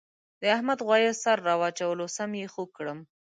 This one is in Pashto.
د احمد غوایه سر را واچولو سم یې خوږ کړم.